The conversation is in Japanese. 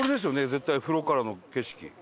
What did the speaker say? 絶対風呂からの景色。